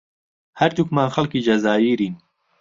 هەردووکمان خەڵکی جەزائیرین.